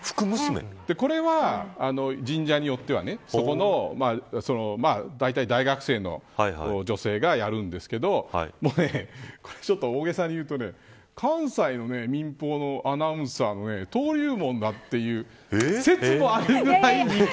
これは、神社によってはそこの、だいたい大学生の女性がやるんですけどこれ、ちょっと大げさに言うと関西の民放のアナウンサーの登竜門だという説もあるくらい。